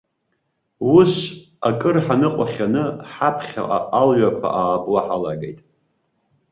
Ус, акыр ҳныҟәахьаны, ҳаԥхьаҟа алҩақәа аабо ҳалагеит.